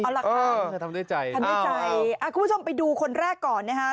เอาล่ะค่ะทำด้วยใจทำด้วยใจคุณผู้ชมไปดูคนแรกก่อนนะฮะ